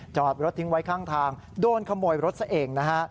จอดรถทิ้งไว้ข้างทางโดนขโมยรถซะเองนะฮะ